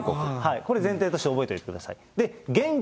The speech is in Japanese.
これ前提として覚えておいてください。